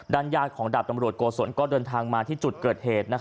ญาติของดาบตำรวจโกศลก็เดินทางมาที่จุดเกิดเหตุ